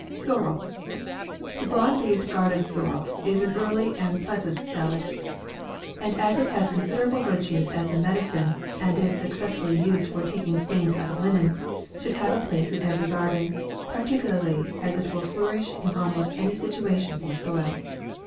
SORREL, The broad leaved garden sorrel is an earh and pleasant sallad, and as it has considera 9:2 maw ble virtues as a medicine, and is succesfully used for taking stains out of linen, should have a place in every garden ; particularly as it will flourish in almost any situation or soil.